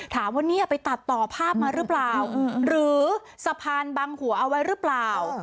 ถามว่าเนี่ยไปตัดต่อภาพมาหรือเปล่าหรือสะพานบังหัวเอาไว้หรือเปล่า